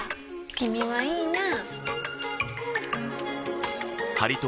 君はいいなぁ。